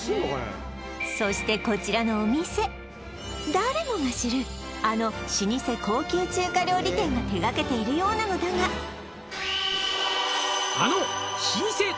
そしてこちらのお店誰もが知るあの老舗高級中華料理店が手がけているようなのだがえ